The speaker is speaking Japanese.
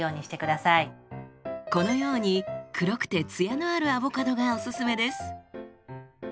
このように黒くてツヤのあるアボカドがおすすめです。